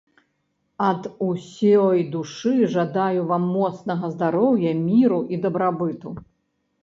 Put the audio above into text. Ад усёй душы жадаю вам моцнага здароўя, міру і дабрабыту.